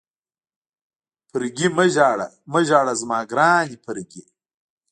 فرګي مه ژاړه، مه ژاړه زما ګرانې فرګي.